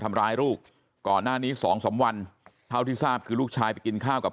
ทำร้ายลูกก่อนหน้านี้สองสามวันเท่าที่ทราบคือลูกชายไปกินข้าวกับ